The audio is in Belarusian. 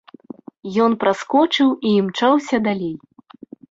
Ён праскочыў і імчаўся далей.